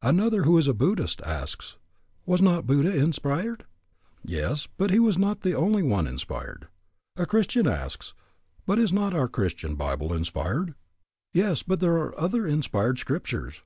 Another who is a Buddhist asks, "Was not Buddha inspired?" Yes, but he was not the only one inspired. A Christian asks, "But is not our Christian Bible inspired?" Yes, but there are other inspired scriptures.